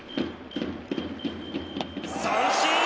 三振！